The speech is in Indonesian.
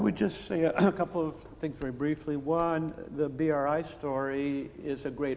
saya hanya akan mengatakan beberapa hal secara singkat